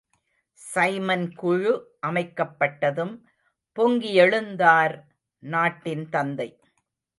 Simon குழு அமைக்கப்பட்டதும் பொங்கி யெழுந்தார் நாட்டின் தந்தை.